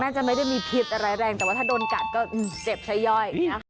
จะไม่ได้มีพิษอะไรแรงแต่ว่าถ้าโดนกัดก็เจ็บใช้ย่อยนะคะ